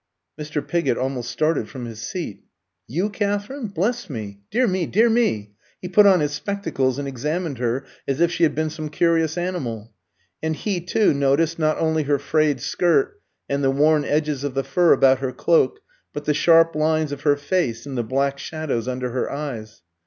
Mr. Pigott almost started from his seat. "You, Katherine? Bless me! Dear me, dear me!" He put on his spectacles, and examined her as if she had been some curious animal. And he, too, noticed not only her frayed skirt and the worn edges of the fur about her cloak, but the sharp lines of her face and the black shadows under her eyes.